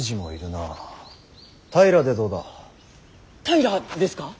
平ですか？